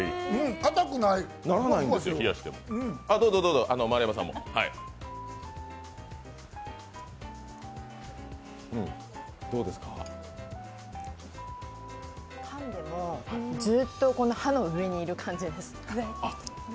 かんでも、ずーっと歯の上にいる感じです。